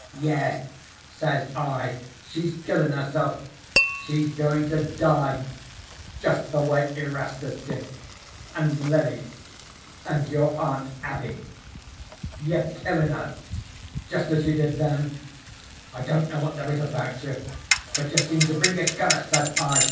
"'Yes,' says I, 'she's killin' herself. She's goin' to die just the way Erastus did, and Lily, and your Aunt Abby. You're killin' her jest as you did them. I don't know what there is about you, but you seem to bring a curse,' says I.